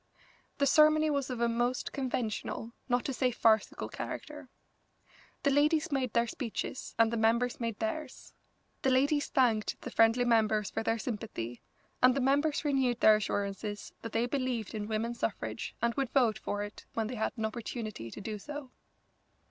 The ceremony was of a most conventional, not to say farcical character. The ladies made their speeches and the members made theirs. The ladies thanked the friendly members for their sympathy, and the members renewed their assurances that they believed in women's suffrage and would vote for it when they had an opportunity to do so.